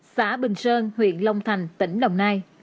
xã bình sơn huyện long thành tỉnh đồng nai